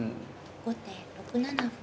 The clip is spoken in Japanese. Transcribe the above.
後手６七歩。